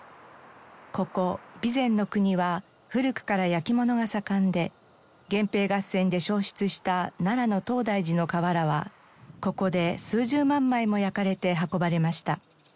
ここ備前国は古くから焼き物が盛んで源平合戦で焼失した奈良の東大寺の瓦はここで数十万枚も焼かれて運ばれました。